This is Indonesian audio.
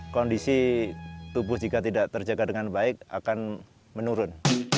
kondisi tubuh jika tidak terjaga dengan baik akan menurun